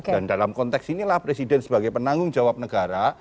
dan dalam konteks inilah presiden sebagai penanggung jawab negara